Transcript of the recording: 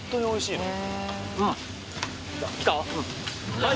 おいしい！